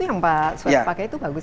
itu yang pak suhaim pakai itu bagus